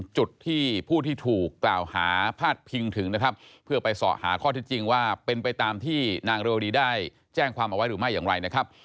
จะแจ้งความเอาไว้หรือไม่อย่างไรนะครับ